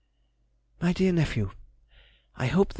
MY DEAR NEPHEW,— I hope the MS.